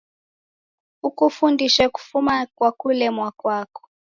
Kukufundishe kufuma kwa kulemwa kwako.